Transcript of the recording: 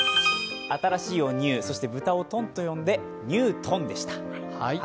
新しいをニュー、豚をトンと読んでニュートンでした。